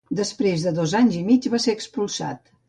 Després de dos anys i mig va ser-ne expulsat.